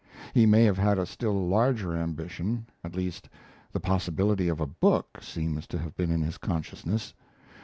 He may have had a still larger ambition; at least, the possibility of a book seems to have been in his consciousness.